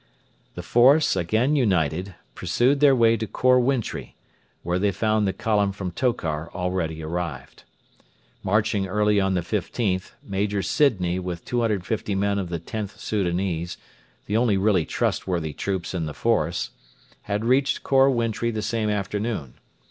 The force, again united, pursued their way to Khor Wintri, where they found the column from Tokar already arrived. Marching early on the 15th, Major Sidney with 250 men of the Xth Soudanese, the only really trustworthy troops in the force, had reached Khor Wintri the same afternoon.